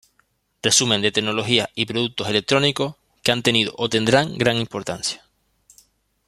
Resumen de tecnologías y productos electrónicos, que han tenido o tendrán gran importancia.